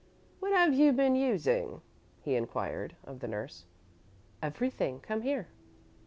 "What have you been using?" he inquired, of the nurse. "Everything. Come here."